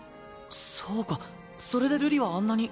そうかそれで瑠璃はあんなに。